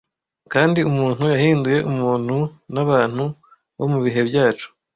kandi umuntu yahinduye umuntu nabantu bo mubihe byacu